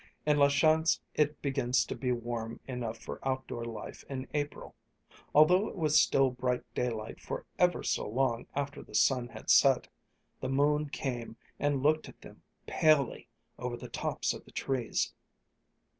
In La Chance it begins to be warm enough for outdoor life in April. Although it was still bright daylight for ever so long after the sun had set, the moon came and looked at them palely over the tops of the trees.